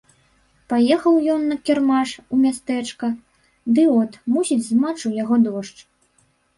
Паехаў ён на кірмаш у мястэчка, ды от, мусіць, змачыў яго дождж.